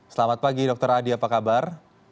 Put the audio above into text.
selamat pagi dr adi apa kabar